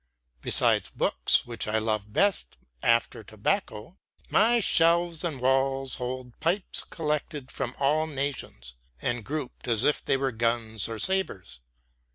Besides books, which I love best after tobacco, my shelves and walls hold pipes collected from all nations, and grouped as if they were guns or sabres.